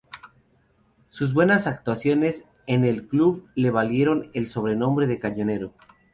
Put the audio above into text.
Sus buenas actuaciones en el club le valieron el sobrenombre de cañonero.